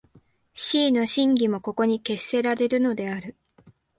思惟の真偽もここに決せられるのである。